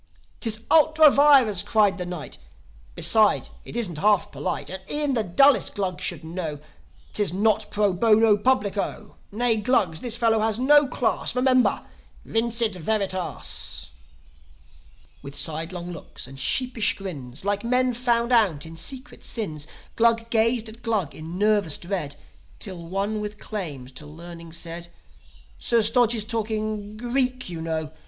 "'Tis ultra vires!" cried the Knight. "Besides, it isn't half polite. And e'en the dullest Glug should know, 'Tis not pro bono publico. Nay, Glugs, this fellow is no class. Remember! Vincit veritas!" With sidelong looks and sheepish grins, Like men found out in secret sins, Glug gazed at Glug in nervous dread; Till one with claims to learning said, "Sir Stodge is talking Greek, you know.